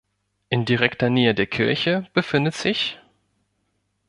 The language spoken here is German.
In direkter Nähe der Kirche befindet sich